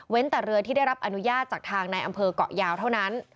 แต่เรือที่ได้รับอนุญาตจากทางในอำเภอกเกาะยาวเท่านั้น